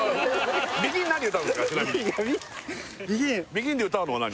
ＢＥＧＩＮで歌うのは何？